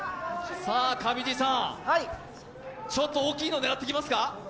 上地さん、ちょっと大きいの狙っていきますか？